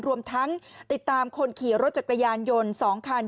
รวมทั้งติดตามคนขี่รถจักรยานยนต์๒คัน